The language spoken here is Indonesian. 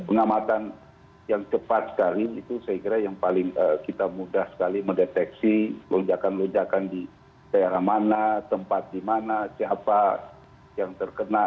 pengamatan yang cepat sekali itu saya kira yang paling kita mudah sekali mendeteksi lonjakan lonjakan di daerah mana tempat di mana siapa yang terkena